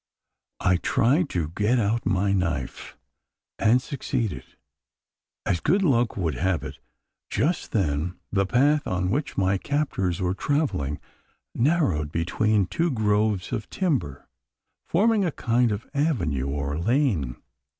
I tried to get out my knife, and succeeded. As good luck would have it, just then, the path on which my captors were travelling, narrowed between two groves of timber forming a kind of avenue or lane.